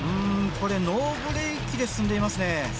これノーブレーキで進んでいますね